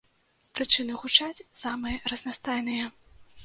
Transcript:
Прычыны гучаць самыя разнастайныя.